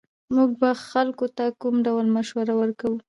موږ به خلکو ته کوم ډول مشوره ورکوو